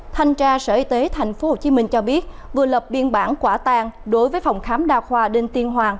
thanh tra sở y tế tp hcm cho biết vừa lập biên bản quả tang đối với phòng khám đa khoa đinh tiên hoàng